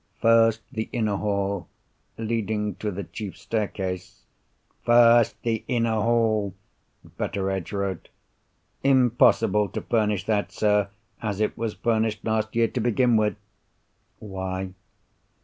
"First, the inner hall, leading to the chief staircase." "'First, the inner hall,'" Betteredge wrote. "Impossible to furnish that, sir, as it was furnished last year—to begin with." "Why?"